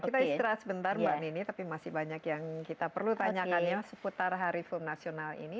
kita istirahat sebentar mbak nini tapi masih banyak yang kita perlu tanyakan ya seputar hari film nasional ini